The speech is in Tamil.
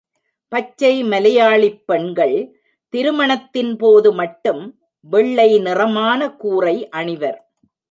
பச்சை மலையாளிப் பெண்கள் திருமணத்தின்போது மட்டும் வெள்ளை நிறமான கூறை அணிவர்.